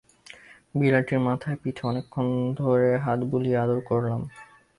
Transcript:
বিড়ালটির মাথায় পিঠে অনেকক্ষণ ধরে হাত বুলিয়ে আদর করলাম।